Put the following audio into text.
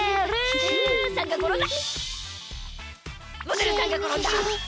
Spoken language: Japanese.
モデルさんがころんだ！